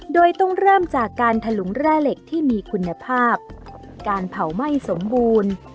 โดยต้องเริ่มจากการถลุงแร่เหล็กที่มีคุณภาพการเผาไหม้สมบูรณ์